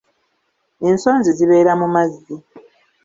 Ensonzi zibeera mu mazzi.